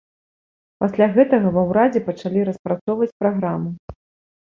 Пасля гэтага ва ўрадзе пачалі распрацоўваць праграму.